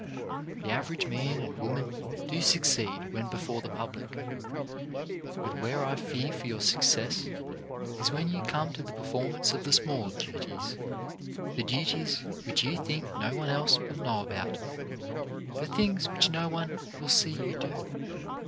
The average man and woman does succeed when before the public. But where I fear for your success is when you come to the performance of the small duties — the duties which you think no one else will know about, the things which no one will see you do.